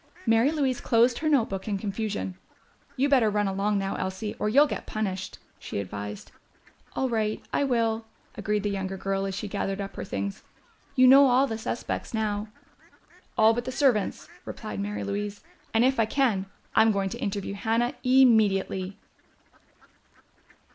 Mary Louise closed her notebook in confusion. "You better run along now, Elsie, or you'll get punished," she advised. "All right, I will," agreed the younger girl as she gathered up her things. "You know all the suspects now." "All but the servants," replied Mary Louise. "And if I can, I'm going to interview Hannah immediately."